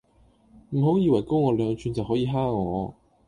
唔好以為高我兩吋就可以蝦我